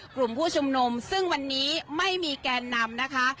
กลุ่มผู้ชุมนุมซึ่งวันนี้ไม่มีแกนนำนะคะ